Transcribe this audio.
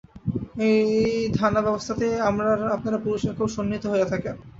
এই ধ্যানাবস্থাতেই আপনারা পুরুষের খুব সন্নিহিত হইয়া থাকেন।